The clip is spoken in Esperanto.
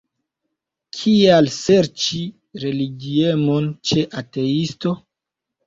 Kial serĉi religiemon ĉe ateisto?